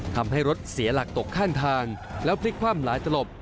ทำให้รถเสียหลักตกข้างทางแล้วพลิกคว่ำหลายตลบ